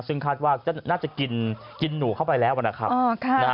ซึ่งคาดว่าน่าจะกินหนูเข้าไปแล้วนะครับ